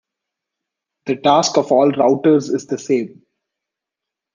The task of all routers is the same.